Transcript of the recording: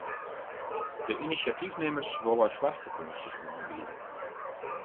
De inisjatyfnimmers wolle soarchfakânsjes oanbiede.